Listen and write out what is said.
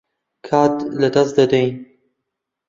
کات لەدەست دەدەین.